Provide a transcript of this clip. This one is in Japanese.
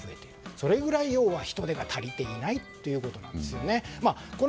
それぐらい人手が足りていないということなんですよね。